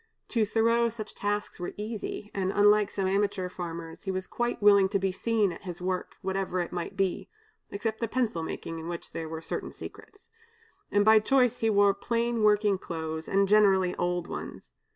To Thoreau such tasks were easy, and, unlike some amateur farmers, he was quite willing to be seen at his work, whatever it might be (except the pencil making, in which there were certain secrets), and by choice he wore plain working clothes, and generally old ones.